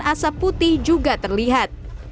asap putih juga terlihat